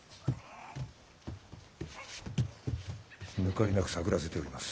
抜かりなく探らせております。